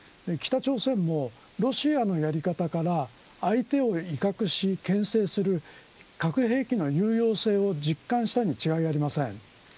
北朝鮮もロシアのやり方から相手を威嚇し、けん制する核兵器の有用性を実感したに違いありません。